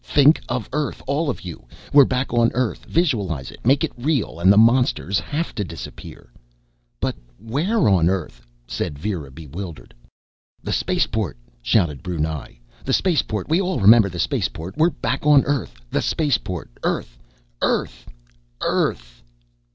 Think of Earth! All of you! We're back on Earth. Visualize it, make it real, and the monsters'll have to disappear." "But where on Earth?" said Vera, bewildered. "The Spaceport!" shouted Brunei. "The Spaceport! We all remember the Spaceport." "We're back on Earth! The Spaceport!" "Earth!" "Earth!" "EARTH! EARTH!"